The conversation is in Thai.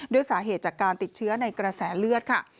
ด้วยสาเหตุจากการติดเชื้อในกระแสเลือดค่ะ